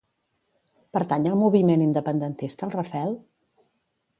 Pertany al moviment independentista el Rafel?